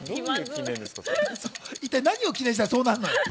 何を記念したらそうなるのよ！